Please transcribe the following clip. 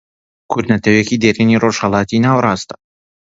کورد نەتەوەیەکی دێرینی ڕۆژهەڵاتی ناوەڕاستە